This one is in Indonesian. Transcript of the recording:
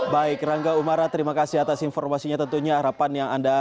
baik rangga umara terima kasih atas informasinya tentunya harapan yang anda